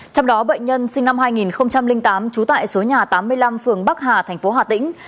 trong đó bệnh nhân sinh năm hai nghìn tám trú tại số nhà tám mươi năm phường bắc hà thành phố hà tĩnh